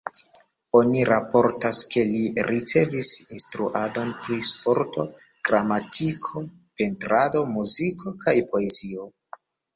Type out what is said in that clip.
Oni raportas, ke li ricevis instruadon pri sporto, gramatiko, pentrado, muziko kaj poezio.